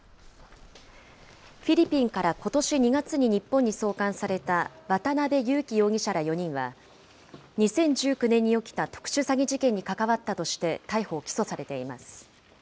フィリピンからことし２月に日本に送還された渡邉優樹容疑者ら４人は、２０１９年に起きた特殊詐欺事件に関わったとして、逮捕・起訴されています。